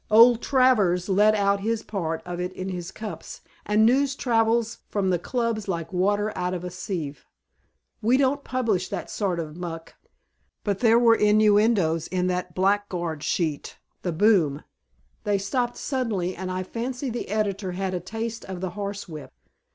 Old Travers let out his part of it in his cups, and news travels from the Clubs like water out of a sieve. We don't publish that sort of muck, but there were innuendoes in that blackguard sheet, The Boom. They stopped suddenly and I fancy the editor had a taste of the horsewhip.